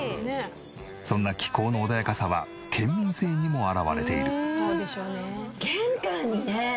そんな気候の穏やかさは県民性にも表れている。